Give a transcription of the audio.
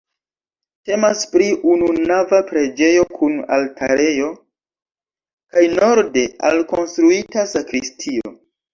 Temas pri ununava preĝejo kun altarejo kaj norde alkonstruita sakristio.